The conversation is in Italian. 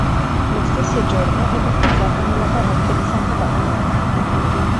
Lo stesso giorno è battezzato nella parrocchia di santa Barbara.